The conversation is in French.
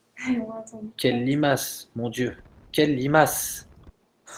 Quelle limace, mon Dieu ! quelle limace !